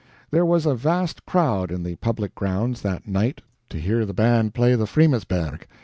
There was a vast crowd in the public grounds that night to hear the band play the "Fremersberg."